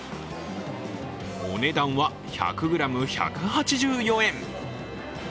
お値段は１００ｇ、１８４円。